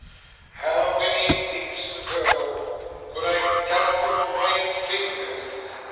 How many weeks ago? Could I count them on my fingers?